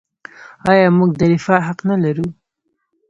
آیا موږ د رفاه حق نلرو؟